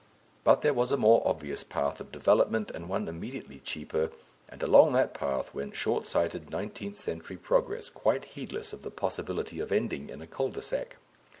But there was a more obvious path of development and one immediately cheaper, and along that path went short sighted Nineteenth Century Progress, quite heedless of the possibility of ending in a cul de sac.